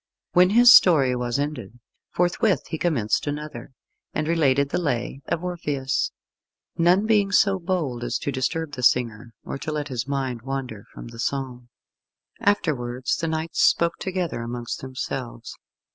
When his story was ended, forthwith he commenced another, and related the Lay of Orpheus; none being so bold as to disturb the singer, or to let his mind wander from the song. Afterwards the knights spoke together amongst themselves.